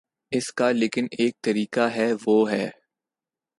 اس کا لیکن ایک طریقہ ہے، وہ ہے۔